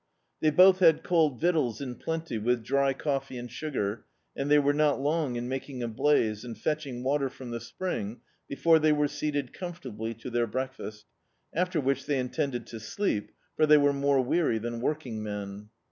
They both had cold victuals in plenty, with dry coffee and sugar, and they were not long in making a blaze and fetching water from the spring before they were seated cranfortably to their breakfast, after ■which they intended to sleep, for they were more weary than working men.